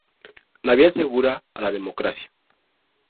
La vía segura a la democracia".